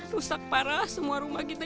rusak parah semua rumah kita